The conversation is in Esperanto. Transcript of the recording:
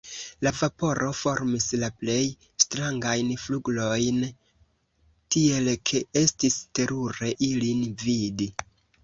La vaporo formis la plej strangajn flgurojn, tiel ke estis terure ilin vidi.